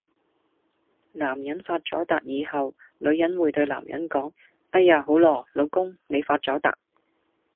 男人發咗達以後，女人會對男人講：哎呀好囉，老公，你發咗達